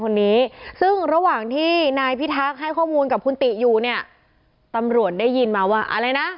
คนนี้ซึ่งระหว่างที่นายพิทักษ์ให้ข้อมูลกับคุณติอยู่เนี่ยตำรวจได้ยินมาว่าอะไรนะ